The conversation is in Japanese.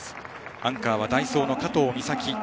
アンカーはダイソーの加藤美咲。